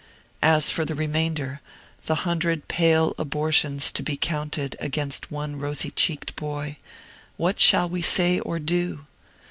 As for the remainder, the hundred pale abortions to be counted against one rosy cheeked boy, what shall we say or do?